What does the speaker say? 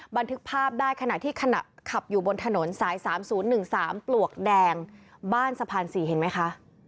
บันทึกภาพได้ขณะที่ขณะขับอยู่บนถนนสาย๓๐๑๓ปลวกแดงบ้านสะพาน๔เห็นไหมคะ